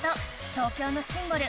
東京のシンボル